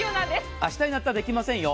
明日になったらできませんよ。